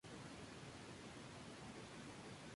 Solo se publica vía internet.